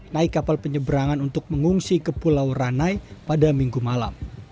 naik kapal penyeberangan untuk mengungsi ke pulau ranai pada minggu malam